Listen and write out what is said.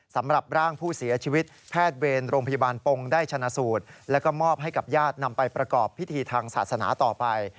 สำหรับร่างผู้เสียชีวิตแพทย์เวรโรงพยาบาลปงได้ชนะสูตรแล้วก็มอบให้กับญาตินำไปประกอบพิธีทางศาสนาต่อไป